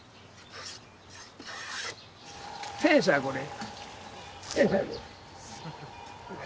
戦車これ。